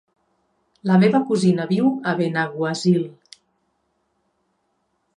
La meva cosina viu a Benaguasil.